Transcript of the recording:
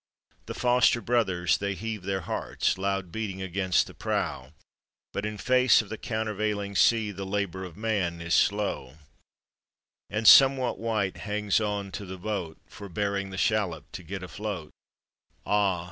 The foster brothers they heave their hearts Loud beating against the prow, But in face of the countervailing sea The labor of man is slow ; And somewhat white hangs on to the boat, Forbearing the shallop to get afloat : Ah!